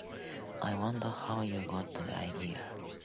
I wonder how you got that idea!